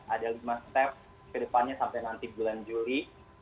ada lima step ke depannya sampai nanti bulan juli